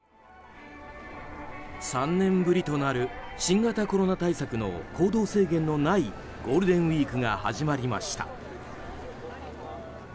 ３年ぶりとなる新型コロナ対策の行動制限のないゴールデンウィークが始まりました。